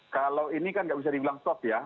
kalau ini kan gak bisa dibilang soft ya